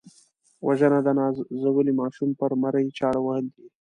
وژنه د نازولي ماشوم پر مرۍ چاړه وهل دي